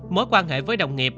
mối quan hệ với đồng nghiệp